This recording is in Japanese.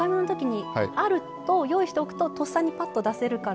あると用意しておくととっさにぱっと出せるから。